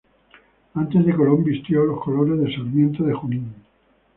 Antes de Colón vistió los colores de Sarmiento de Junín.